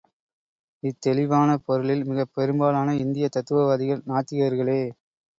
இத்தெளிவான பொருளில் மிகப் பெரும்பாலான இந்தியத் தத்துவவாதிகள் நாத்திகர்களே.